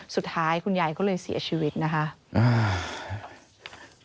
สุดท้ายคุณยายก็เลยเสียชีวิตนะคะ